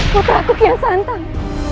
putraku kian santan